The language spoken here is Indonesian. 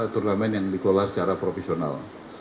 turnamen yang dikelola secara profesional